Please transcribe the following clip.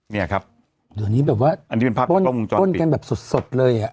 เนี่ยครับอันนี้แบบว่าอันที่เป็นภาพกล้องป้นกันแบบสดสดเลยอ่ะ